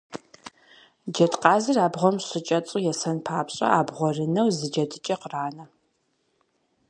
Джэдкъазыр абгъуэм щыкӏэцӏу есэн папщӏэ, абгъуэрынэу зы джэдыкӏэ къранэ.